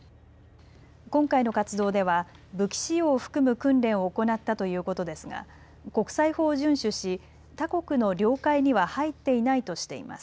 今回の活動では武器使用を含む訓練を行ったということですが国際法を順守し、他国の領海には入っていないとしています。